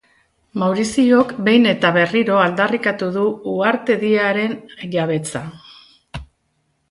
Mauriziok behin eta berriro aldarrikatu du uhartediaren jabetza.